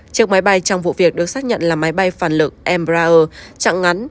chiếc máy bay trong vụ việc được xác nhận là máy bay phản lực embraer chặng ngắn